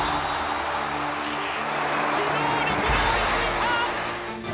機動力で追いついた！